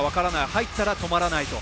入ったらとまらないと。